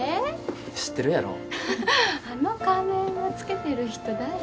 知ってるやろあの仮面をつけてる人誰？